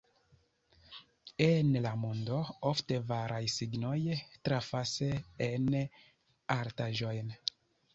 En la mondo ofte varaj signoj trafas en artaĵojn.